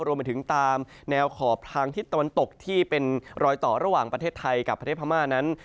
รวมไปถึงตามแนวขอบทางทิศตะวันตกที่เป็นรอยต่อระหว่างประเทศไทยกับประเทศพม่านั้น